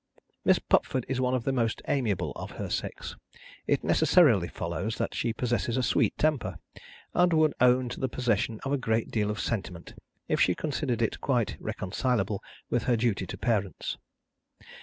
Miss Pupford is one of the most amiable of her sex; it necessarily follows that she possesses a sweet temper, and would own to the possession of a great deal of sentiment if she considered it quite reconcilable with her duty to parents.